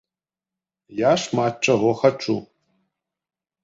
Я шмат чаго хачу!